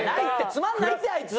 つまんないってあいつ。